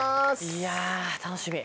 いやあ楽しみ。